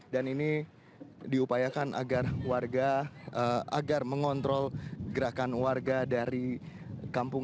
dan ini diupayakan agar warga agar mengontrol gerakan warga dari kampung